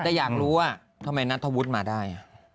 แต่อยากรู้ว่าทำไมนัทธวุฒิมาได้